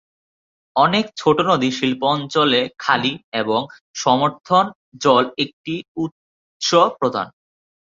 অনেক ছোট নদী শিল্প অঞ্চলে খালি, এবং শিল্প সমর্থন জল একটি উৎস প্রদান।